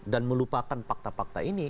dan melupakan fakta fakta ini